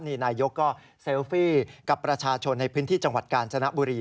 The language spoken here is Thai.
นี่นายกก็เซลฟี่กับประชาชนในพื้นที่จังหวัดกาญจนบุรี